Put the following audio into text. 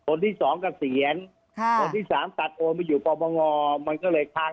คนที่สองกับเสียนคนที่สามตัดโทนมาอยู่พอบรรมมันก็เลยค้าง